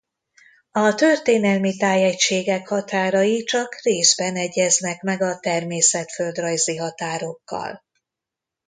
A történelmi tájegységek határai csak részben egyeznek meg a természetföldrajzi határokkal.